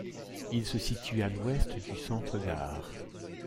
Il se situe à l'ouest du Centre Gare.